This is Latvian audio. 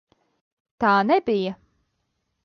Tā nebija!